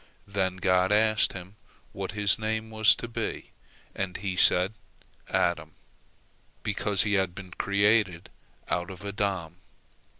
Then God asked him what his name was to be, and he said Adam, because he had been created out of Adamah, dust of the earth.